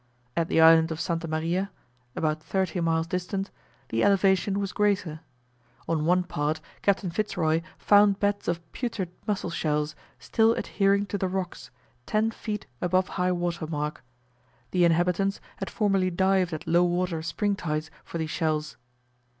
At the island of S. Maria (about thirty miles distant) the elevation was greater; on one part, Captain Fitz Roy founds beds of putrid mussel shells still adhering to the rocks, ten feet above high water mark: the inhabitants had formerly dived at lower water spring tides for these shells.